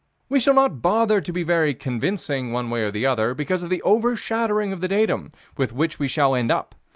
We shall not bother to be very convincing one way or another, because of the over shadowing of the datum with which we shall end up.